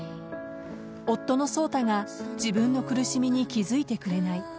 夫の颯太が自分の苦しみに気付いてくれない。